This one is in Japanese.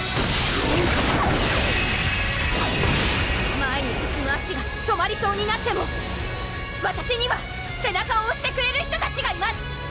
前に進む足が止まりそうになってもわたしには背中をおしてくれる人たちがいます！